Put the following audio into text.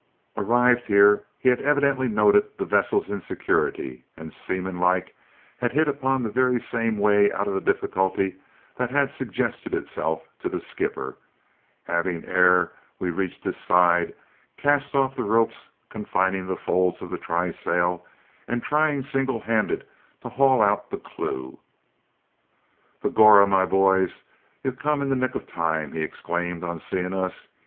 Arrived here, he had evidently noted the vessel's insecurity, and, seamanlike, had hit upon the very same way out of the difficulty that had suggested itself to the skipper, having, ere we reached his side, cast off the ropes confining the folds of the trysail and trying singlehanded to haul out the clew. "Begorrah, me bhoys, ye've come in the very nick o' time!" he exclaimed on seeing us.